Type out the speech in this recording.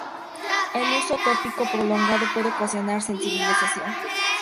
El uso tópico prolongado puede ocasionar sensibilización.